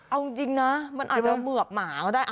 เอาจริงนะมันอาจจะเหมือบหมาก็ได้